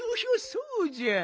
そうじゃ！